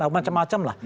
apa macam macam lah